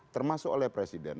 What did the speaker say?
termasuk oleh presiden